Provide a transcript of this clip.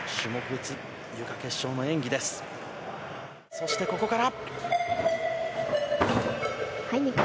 そしてここから。